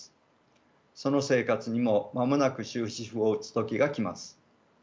その生活にも間もなく終止符を打つ時が来ます。